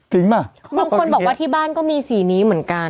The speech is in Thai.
จริงปะมีคนบอกที่บ้านก็มีสีนี้เหมือนกัน